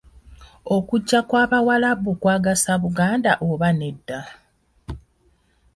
Okujja kw'Abawarabu kwagasa Buganda oba nedda?